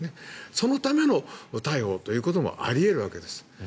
そのための逮捕ということもあり得るわけです。